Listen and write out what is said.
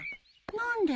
何で？